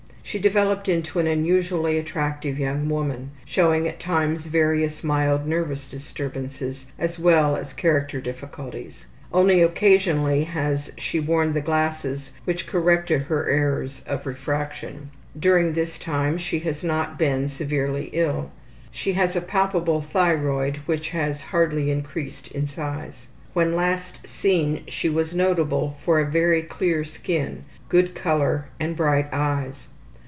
She developed into an unusually attractive young woman, showing at times various mild nervous disturbances as well as character difficulties. Only occasionally has she worn the glasses which corrected her errors of refraction. During this time she has not been severely ill. She has a palpable thyroid which has hardly increased in size. When last seen she was notable for a very clear skin, good color, and bright eyes.